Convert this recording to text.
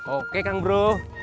oke kang bro